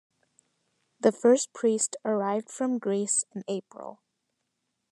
The first priest arrived from Greece in April.